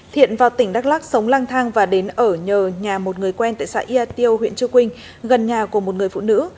thiện vào tỉnh đắk lắk sống lang thang và đến ở nhà một người quen tại xã yà tiêu huyện chưa quynh gần nhà của một người phụ nữ